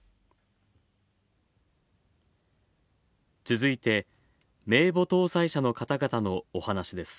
続いて、名簿登載者の方々の、お話です。